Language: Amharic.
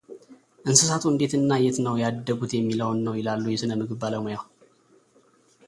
እንስሳቱ እንዴት እና የት ነው ያደጉት የሚለውን ነው ይላሉ የሥነ ምግብ ባለሙያው።